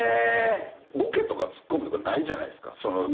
ボケとかツッコミとかないじゃないですか学生時代。